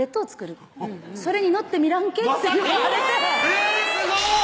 えぇすごい！